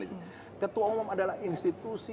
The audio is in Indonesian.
di sini ketua umum adalah institusi